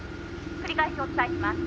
「繰り返しお伝えします。